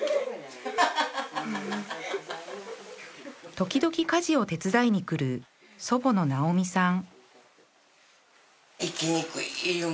時々家事を手伝いに来る祖母の尚美さん